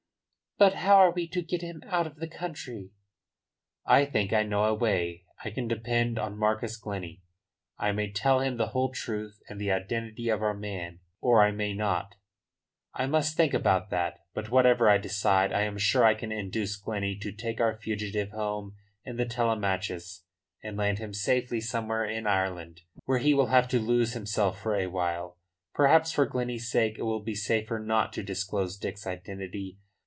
"But how are we to get him out of the country?" "I think I know a way. I can depend on Marcus Glennie. I may tell him the whole truth and the identity of our man, or I may not. I must think about that. But, whatever I decide, I am sure I can induce Glennie to take our fugitive home in the Telemachus and land him safely somewhere in Ireland, where he will have to lose himself for awhile. Perhaps for Glennie's sake it will be safer not to disclose Dick's identity.